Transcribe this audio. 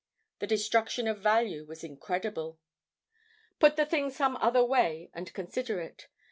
The destruction of value was incredible. Put the thing some other way and consider it.